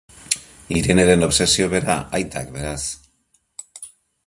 Ireneren obsesio bera aitak beraz.